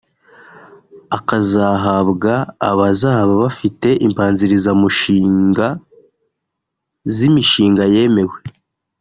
akazahabwa abazaba bafite imbanzirizamushinga z’imishinga yemewe